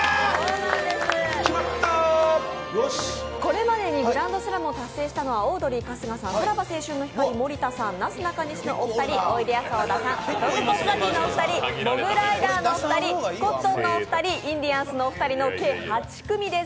これまでにグランドスラムを達成したのはオードリー・春日さんさらば青春の光・森田さんなすなかにしのお二人おいでやす小田さん、ロングコートダディのお二人、モグライダーのお二人、コットンのお二人、インディアンスのお二人の計８組です。